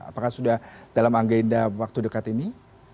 apakah sudah dalam agenda waktu dekat ini